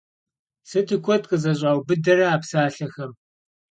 Sıtu kued khızeş'aubıdere a psalhexem!